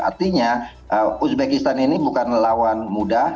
artinya uzbekistan ini bukan melawan mudah